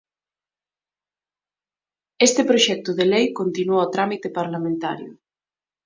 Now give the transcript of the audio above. Este proxecto de lei continúa o trámite parlamentario.